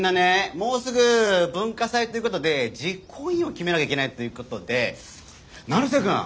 もうすぐ文化祭ということで実行委員を決めなきゃいけないということで成瀬くん！